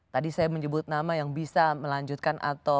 tadi saya menyebut nama yang bisa melanjutkan atau